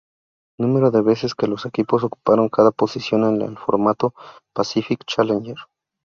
Número de veces que los equipos ocuparon cada posición en el formato Pacific Challenge.